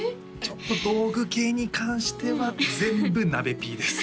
ちょっと道具系に関しては全部なべＰです